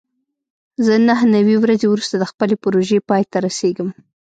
زه نهه نوي ورځې وروسته د خپلې پروژې پای ته رسېږم.